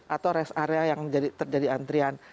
atau rest area yang terjadi antrian